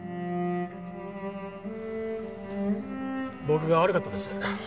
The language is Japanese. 僕が悪かったです。